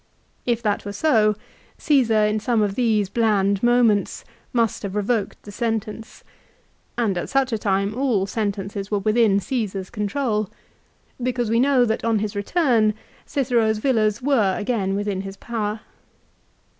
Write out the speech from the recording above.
If that were so, Caesar in some of these bland moments must have revoked the sentence, and at such a time all sentences were within Caesar's control, because we know that on his return Cicero's villas were again within his own power.